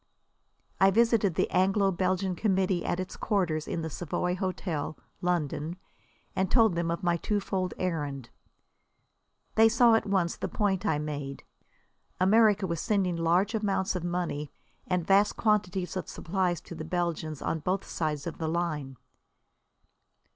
I visited the Anglo Belgian Committee at its quarters in the Savoy Hotel, London, and told them of my twofold errand. They saw at once the point I made. America was sending large amounts of money and vast quantities of supplies to the Belgians on both sides of the line.